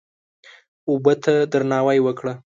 اوبه ته درناوی وکړه.